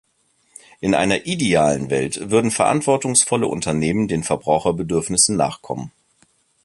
In einer idealen Welt würden verantwortungsvolle Unternehmen den Verbraucherbedürfnissen nachkommen.